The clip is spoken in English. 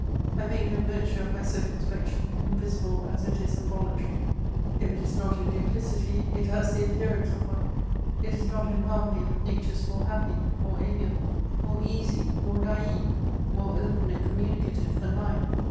I make no virtue of my circumspection, invincible as it is involuntary ; if it is not a duplicity, it has the appearance of one; it is not in harmony with natures more happy, more amiable, more easy, more naive, more open and communicative than mine.